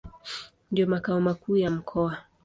Ndio makao makuu ya mkoa.